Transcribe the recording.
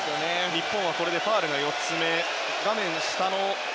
日本はこれでファウル４つ目。